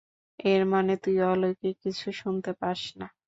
এর মানে তুই অলৌকিক কিছু শুনতে পাস না।